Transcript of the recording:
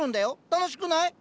楽しくない？